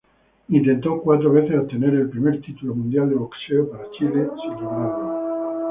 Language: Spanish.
Intentó cuatro veces obtener el primer título mundial de boxeo para Chile, sin lograrlo.